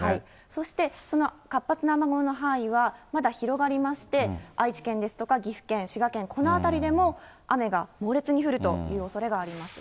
そしてその活発な雨雲の範囲はまだ広がりまして、愛知県ですとか岐阜県、滋賀県、この辺りでも、雨が猛烈に降るというおそれがあります。